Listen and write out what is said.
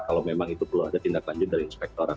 kalau memang itu perlu ada tindak lanjut dari inspektorat